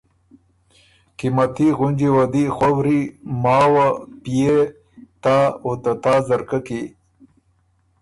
قیمتي غُنجی وه دی خؤري، ماوه، پئے، تا او ته تا ځرکۀ کی